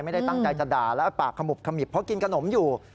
ไม่ได้ตั้งใจจะด่าแล้วปากขมุบขมิบเพราะกินขนมอยู่